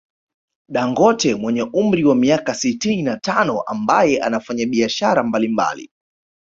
Dangote mwenye umri wa miaka sitini na tano ambaye anafanya biashara mbali mbali